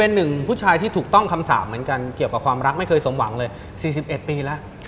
เหมือนกันเกี่ยวกับความรักไม่เคยสมหวังเลย๔๑ปีแล้ว